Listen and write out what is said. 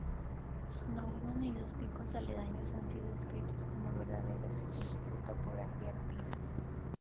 Snowdon y sus picos aledaños han sido descritos como "verdaderos ejemplos de topografía alpina".